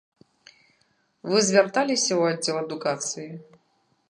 Вы звярталіся ў аддзел адукацыі?